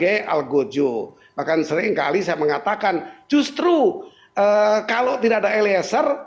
itu kalau tidak ada aliezar